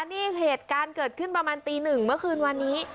นี่เหตุการณ์เกิดขึ้นประมาณตีหนึ่งเมื่อคืนวันนี้